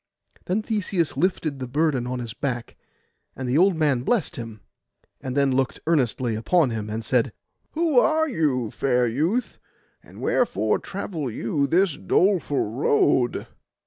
Then Theseus lifted the burden on his back. And the old man blest him, and then looked earnestly upon him, and said— 'Who are you, fair youth, and wherefore travel you this doleful road?